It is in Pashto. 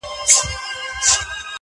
• هغه به چيري وي.